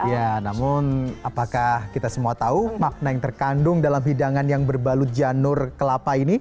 ya namun apakah kita semua tahu makna yang terkandung dalam hidangan yang berbalut janur kelapa ini